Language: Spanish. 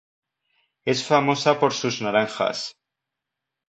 Es famosa por sus naranjas.